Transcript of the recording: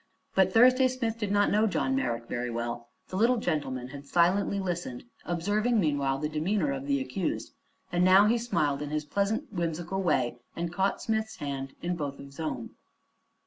But Thursday Smith did not know John Merrick very well. The little gentleman had silently listened, observing meanwhile the demeanor of the accused, and now he smiled in his pleasant, whimsical way and caught Smith's hand in both his own.